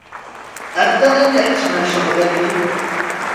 Anta i m-iḥettmen ccɣel-agi?